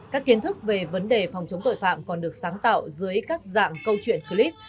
các kiến thức về vấn đề phòng chống tội phạm còn được sáng tạo dưới các dạng câu chuyện clip